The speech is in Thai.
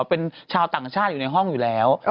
เป็นชาวต่างชาติอยู่ในห้องอยู่แล้ว